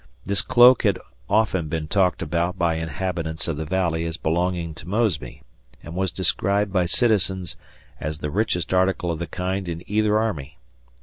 This cloak had often been talked about by inhabitants of the valley as belonging to Mosby, and was described by citizens as the richest article of the kind in either army.